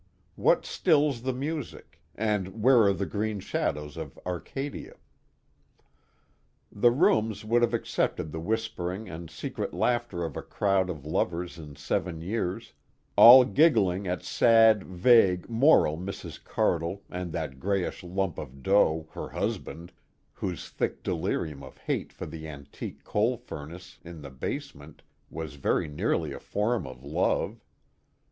What stills the music, and where are the green shadows of Arcadia? The rooms would have accepted the whispering and secret laughter of a crowd of lovers in seven years, all giggling at sad, vague, moral Mrs. Cardle and that grayish lump of dough, her husband, whose thick delirium of hate for the antique coal furnace in the basement was very nearly a form of love.